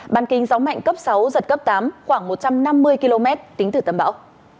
bàn kính gió mạnh cấp sáu giật cấp tám khoảng một trăm năm mươi km tính từ tâm báo